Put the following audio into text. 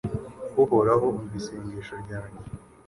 Uhoraho umva isengesho ryanjye